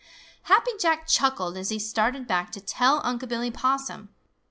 Happy Jack chuckled as he started back to tell Unc' Billy Possum.